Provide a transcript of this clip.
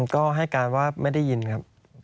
ก็ให้การว่าไม่ได้ยินครับ